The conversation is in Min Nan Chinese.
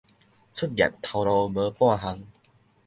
出業頭路無半項